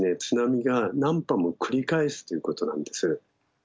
津波が何波も繰り返すっていうことなんです。